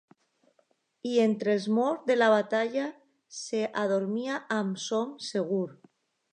I entre els morts de la batalla s’adormia amb son, segur.